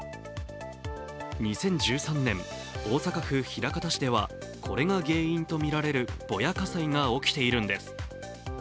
２０１３年、大阪府枚方市ではこれが原因とみられるぼや火災が起きているんです。